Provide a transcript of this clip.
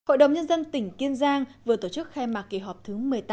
hội đồng nhân dân tỉnh kiên giang vừa tổ chức khai mạc kỳ họp thứ một mươi tám